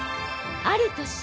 ある年